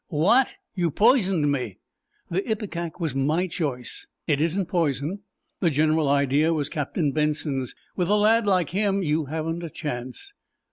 "What? You poisoned me?" "The ipecac was my choice. It isn't poison. The general idea was Captain Benson's. With a lad like him you haven't a chance."